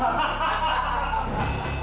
ah jangan kalian